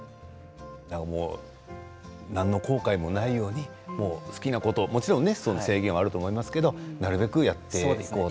何の後悔もないように好きなことをもちろん制限はあると思いますけれどもなるべくやっていこうと。